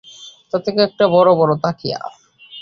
তাতে কয়েকটা বড় বড় তাকিয়া।